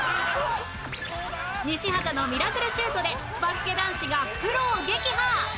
西畑のミラクルシュートでバスケ男子がプロを撃破！